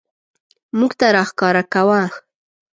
موږ ته راښکاره کاوه.